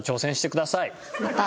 また。